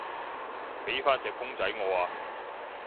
畀返隻公仔我啊